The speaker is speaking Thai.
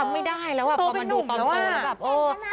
จำไม่ได้แล้ววะพอมาดูว่าตัวเป็นหนุ่ม